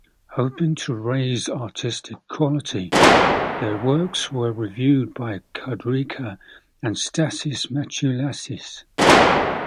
Hoping to raise artistic quality, their works were reviewed by Kudirka and Stasys Matulaitis.